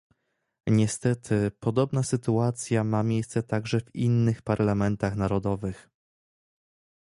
Niestety, podobna sytuacja ma miejsce także w innych parlamentach narodowych